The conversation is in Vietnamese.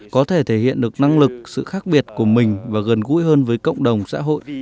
có thể thể hiện được năng lực sự khác biệt của mình và gần gũi hơn với cộng đồng xã hội